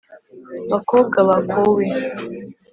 Bakobwa bakowe